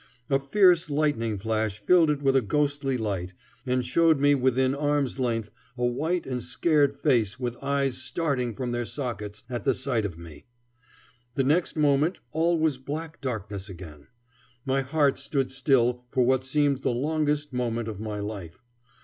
A fierce lightning flash filled it with a ghostly light, and showed me within arm's length a white and scared face with eyes starting from their sockets at the sight of me. The next moment all was black darkness again. My heart stood still for what seemed the longest moment of my life.